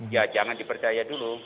ya jangan dipercaya dulu